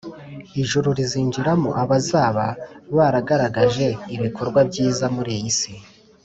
Ijuru rizinjiramo abazaba baragaragaje ibikorwa byiza muri iyi isi